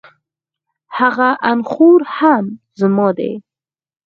هغه انخورهم زما دی